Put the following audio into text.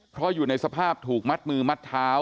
เพราะอยู่ในสภาพถูกมัดมือมัดเท้า